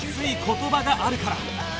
言葉があるから